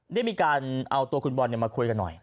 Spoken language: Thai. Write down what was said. ได้มีการเอาตัวคุณบอลมาคุยกันหน่อย